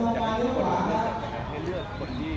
อเจมส์บ๊วยบองร่ีกป็ีเมื่อขึ้นเลย